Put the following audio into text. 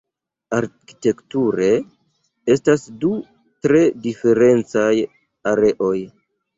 Arkitekture estas du tre diferencaj areoj.